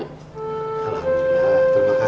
alhamdulillah terima kasih nih